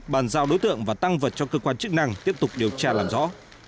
bàn giao đối tượng và tăng vật cho cơ quan chức năng tiếp tục điều tra làm rõ